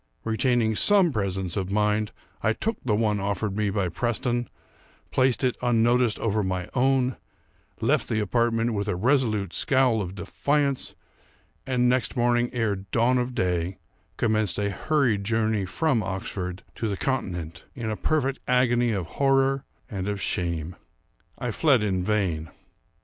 Retaining some presence of mind, I took the one offered me by Preston; placed it, unnoticed, over my own; left the apartment with a resolute scowl of defiance; and, next morning ere dawn of day, commenced a hurried journey from Oxford to the continent, in a perfect agony of horror and of shame. I fled in vain.